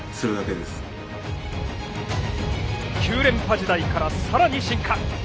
９連覇時代から、さらに進化。